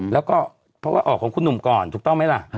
แล้วก็เพราะว่าออกของคุณหนุ่มก่อนถูกต้องไหมล่ะ